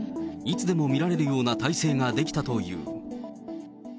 いつでも見られるような体制が出来たという。